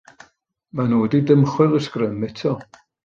Maen nhw wedi dymchwel y sgrym eto.